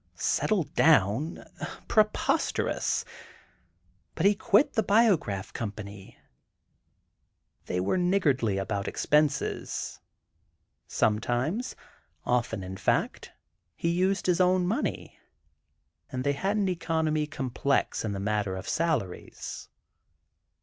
Settle down! Preposterous! But he quit the Biograph Company. They were niggardly about expenses; sometimes (often, in fact), he used his own money—and they had an economy complex in the matter of salaries.